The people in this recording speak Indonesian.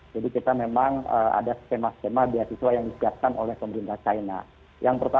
kita memang ada skema skema beasiswa yang disiapkan oleh pemerintah china